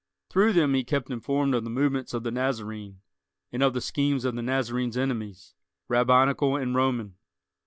Through them he kept informed of the movements of the Nazarene, and of the schemes of the Nazarene's enemies, Rabbinical and Roman.